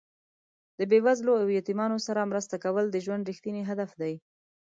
د بې وزلو او یتیمانو سره مرسته کول د ژوند رښتیني هدف دی.